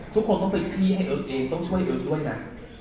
ทุกคนต้องเป็นที่ให้อึ๊กเองต้องช่วยอึ๊กด้วยนะ